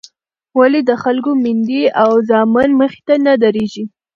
ولې د خلکو میندې او زامن مخې ته نه درېږي.